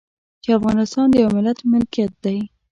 چې افغانستان د يوه ملت ملکيت دی.